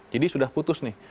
jadi sudah putus nih